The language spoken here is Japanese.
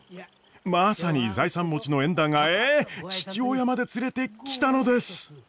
まさに財産持ちの縁談がええっ父親まで連れてきたのです！